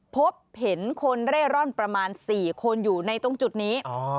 พบเห็นคนเร่ร่อนประมาณ๔คนอยู่ในตรงจุดนี้